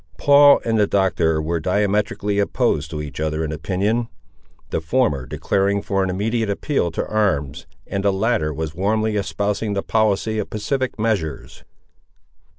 Paul and the Doctor were diametrically opposed to each other in opinion; the former declaring for an immediate appeal to arms, and the latter was warmly espousing the policy of pacific measures.